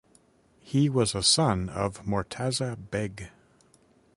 He was a son of Mortaza beg.